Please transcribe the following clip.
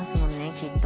きっと。